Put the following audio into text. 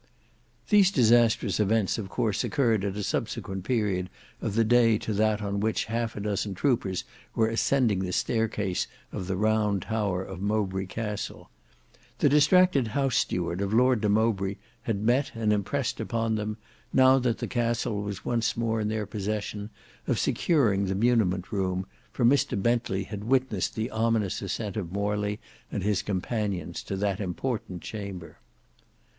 These disastrous events of course occurred at a subsequent period of the day to that on which half a dozen troopers were ascending the staircase of the Round Tower of Mowbray Castle. The distracted house steward of Lord de Mowbray had met and impressed upon them, now that the Castle was once more in their possession, of securing the muniment room, for Mr Bentley had witnessed the ominous ascent of Morley and his companions to that important chamber.